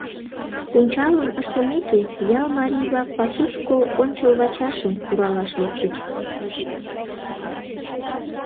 Пунчалым ыштымеке, ял марий-влак пасушко ончылвачашым куралаш лектыч.